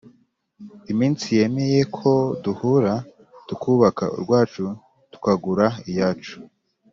iminsi Yemeye ko duhura Tukubaka urwacu Tukagura iyacu!